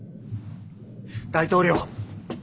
大統領！